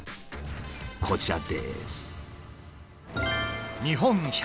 こちらです。